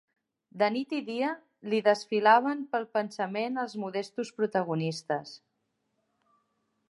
De nit i dia li desfilaven pel pensament els modestos protagonistes